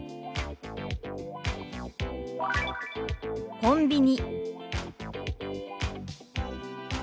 「コンビニ」。